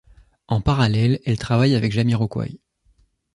En parallèle elle travaille avec Jamiroquai.